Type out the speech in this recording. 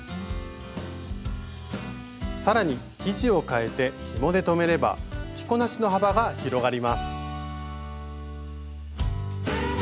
更に生地をかえてひもで留めれば着こなしの幅が広がります。